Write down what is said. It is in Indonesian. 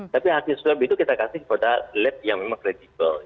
tapi hasil swab itu kita kasih kepada lab yang memang kredibel